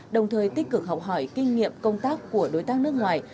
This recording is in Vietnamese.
đồng thời tích cực học hỏi kinh nghiệm công tác của đối tác nước ngoài